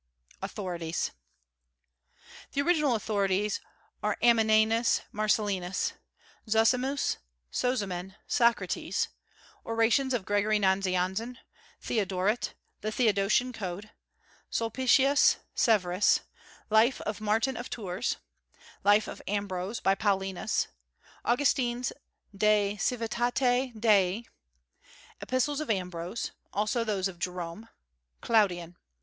AUTHORITIES. The original authorities are Ammianus Marcellinus, Zosimus, Sozomen, Socrates, orations of Gregory Nazianzen, Theodoret, the Theodosian Code, Sulpicius Severus, Life of Martin of Tours, Life of Ambrose by Paulinus, Augustine's "De Civitate Dei," Epistles of Ambrose; also those of Jerome; Claudien.